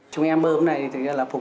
chúng em bơm này thì là phục vụ